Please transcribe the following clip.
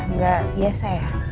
nggak biasa ya